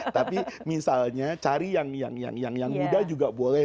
tapi misalnya cari yang muda juga boleh